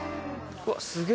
うわ、すげえ。